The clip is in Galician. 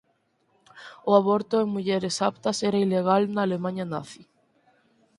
O aborto en mulleres "aptas" era ilegal na Alemaña nazi.